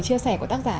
chia sẻ của tác giả